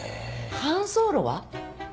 乾燥炉は？